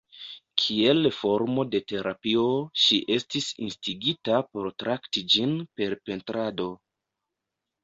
Kiel formo de terapio, ŝi estis instigita por trakti ĝin per pentrado.